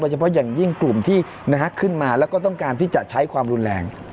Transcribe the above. เฉพาะอย่างยิ่งกลุ่มที่ขึ้นมาแล้วก็ต้องการที่จะใช้ความรุนแรง